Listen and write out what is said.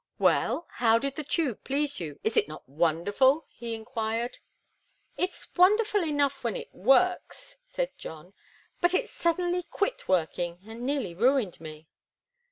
"Well, how did the tube please you? Is it not wonderful?" he inquired. "It's wonderful enough when it works," said John; "but it suddenly quit working, and nearly ruined me."